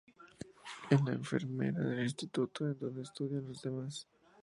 Es la enfermera del instituto en donde estudian los demás.